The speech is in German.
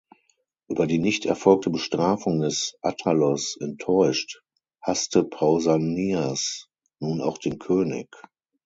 Über die nicht erfolgte Bestrafung des Attalos enttäuscht, hasste Pausanias nun auch den König.